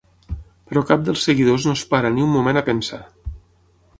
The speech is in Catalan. Però cap dels seguidors no es para ni un moment a pensar.